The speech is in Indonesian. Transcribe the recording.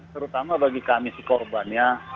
terutama bagi kami si korbannya